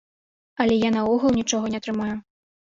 Але я наогул нічога не атрымаю.